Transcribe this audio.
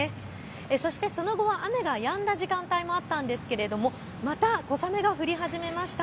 そしてその後は雨がやんだ時間帯もあったんですがまた小雨が降り始めました。